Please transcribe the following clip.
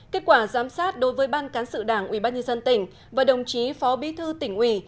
kết quả giám sát đối với ban cán sự đảng ủy ban nhân dân tỉnh và đồng chí phó bí thư tỉnh ủy